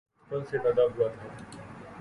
درخت پھل سے لدا ہوا تھا